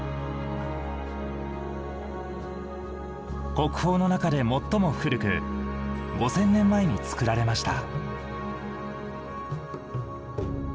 国宝の中で最も古く５，０００年前に作られました。